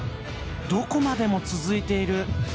どこまでも続いている。